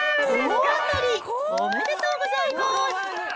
大当たり、おめでとうございます。